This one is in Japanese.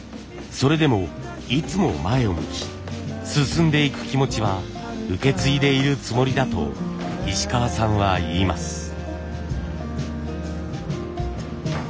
それでもいつも前を向き進んでいく気持ちは受け継いでいるつもりだと石川さんは言います。